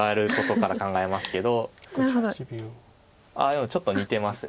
でもちょっと似てます。